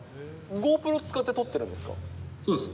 ゴープロ使って撮ってるんですか？